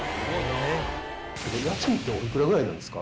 家賃っておいくらぐらいなんですか？